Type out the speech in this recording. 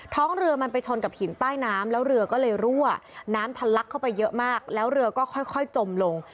ท้องเรือมันไปชนกับหินใต้น้ำแล้วเรือก็เลยรั่วน้ำทะลักเข้าไปเยอะมากแล้วเรือก็ค่อยจมลง